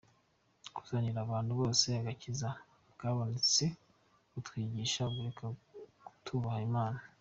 buzanira abantu bose agakiza bwabonetse butwigisha kureka kutubaha Imana.